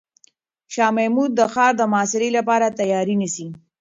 شاه محمود د ښار د محاصرې لپاره تیاری نیسي.